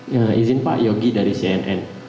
ya izin pak yogi dari cnn